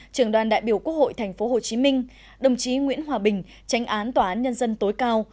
trường đoàn đại biểu quốc hội tp hcm đồng chí nguyễn hòa bình tránh án tòa án nhân dân tối cao